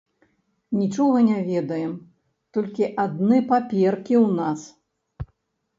Нічога не ведаем, толькі адны паперкі ў нас.